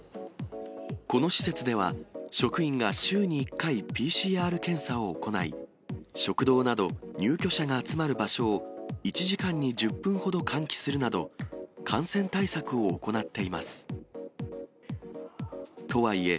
この施設では、職員が週に１回、ＰＣＲ検査を行い、食堂など入居者が集まる場所を、１時間に１０分ほど換気するなど、感染対策を行っています。